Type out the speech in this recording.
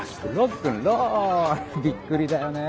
びっくりだよね